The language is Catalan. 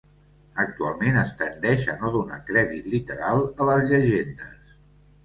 Actualment es tendeix a no donar crèdit literal a les llegendes.